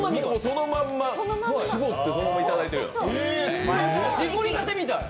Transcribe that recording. そのまま絞ってそのままいただいたみたいな。